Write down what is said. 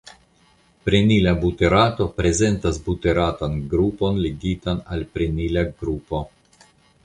Prenila buterato prezentas buteratan grupon ligitan al prenila grupo.